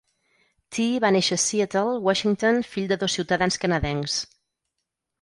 Tee va néixer a Seattle, Washington, fill de dos ciutadans canadencs.